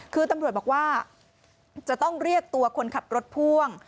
คือตำรวจบอกว่าจะต้องเรียกตัวคนขับรถพ่วง